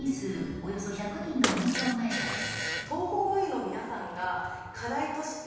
およそ１００人の運送会社です。